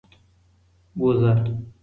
وزه 🐐